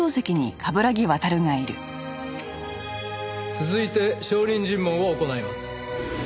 続いて証人尋問を行います。